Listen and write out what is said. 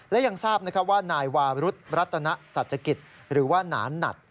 และยังทราบว่านายวารุธรัตนสัจกิจหรือว่าหนานหนัด